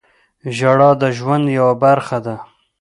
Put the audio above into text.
• ژړا د ژوند یوه برخه ده.